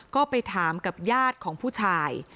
ก็ไปถามกับญาติของผู้ชาย